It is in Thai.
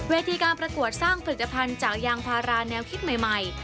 วิธีการประกวดสร้างผลิตภัณฑ์จากยางพาราแนวคิดใหม่